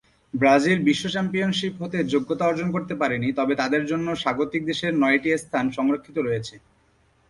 Brazil বিশ্ব championship হতে যোগ্যতা অর্জন করতে পারেনি তবে তাদের জন্য স্বাগতিক দেশের নয়টি স্থান সংরক্ষিত রয়েছে।